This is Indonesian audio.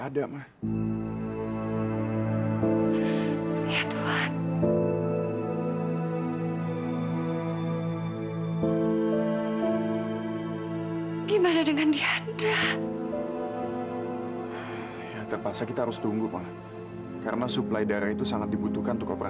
sampai jumpa di video selanjutnya